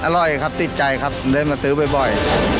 อร่อยครับติดใจครับเดินมาซื้อบ่อย